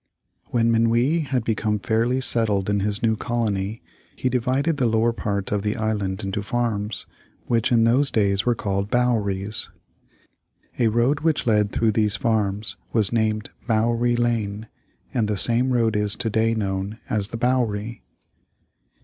] When Minuit had become fairly settled in his new colony, he divided the lower part of the island into farms, which in those days were called "bouweries." A road which led through these farms was named Bouwerie Lane, and the same road is to day known as The Bowery.